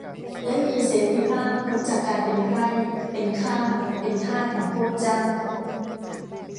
และมีเสรีภาพพ้นจากการเป็นไพร่ เป็นข้าเป็นทาสของพวกเจ้า